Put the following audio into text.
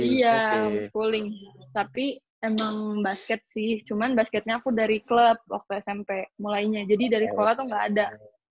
iya cooling tapi emang basket sih cuman basketnya aku dari klub waktu smp mulainya jadi dari sekolah tuh gak ada